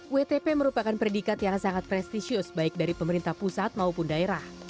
wtp merupakan predikat yang sangat prestisius baik dari pemerintah pusat maupun daerah